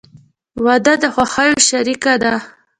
• واده د خوښیو شریکه ده.